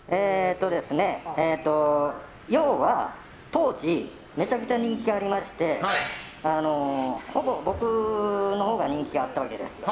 要は、当時めちゃくちゃ人気がありましてほぼ僕のほうが人気があったわけです。